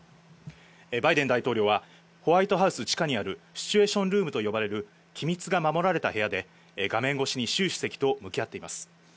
バイデン大統領は、ホワイトハウス地下にあるシチュエーションルームと呼ばれる、機密が守られた部屋で、画面越しに習主席と向き合っています。